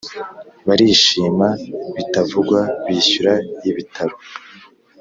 barishima bitavugwa bishyura ibitaro